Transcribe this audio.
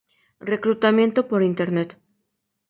Reclutamiento por Internet.